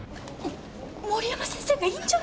森山先生が院長に！？